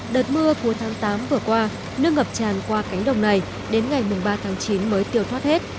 đợt mưa cuối tháng tám vừa qua nước ngập tràn qua cánh đồng này đến ngày ba tháng chín mới tiêu thoát hết